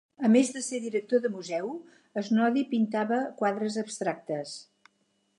A més de ser director de museu, Snoddy pintava quadres abstractes.